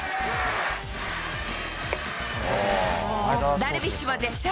ダルビッシュも絶賛！